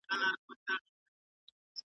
تبر ځکه زما سینې ته را رسیږي